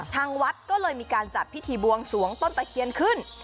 ทางวัดก็เลยมีการจัดพิธีบวงสวงต้นตะเคียนขึ้น